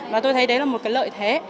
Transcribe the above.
và tôi thấy đấy là một cái lợi thế